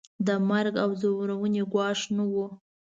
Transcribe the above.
د مرګ او ځورونې ګواښ نه وو.